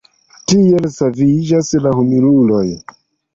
Tiel saviĝas la humiluloj.